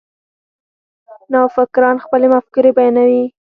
نوفکران خپلې مفکورې بیانوي.